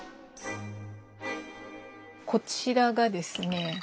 こちらがですね